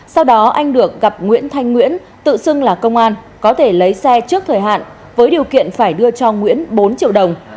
sau đó anh được gặp nguyễn thanh nguyễn tự xưng là công an có thể lấy xe trước thời hạn với điều kiện phải đưa cho nguyễn bốn triệu đồng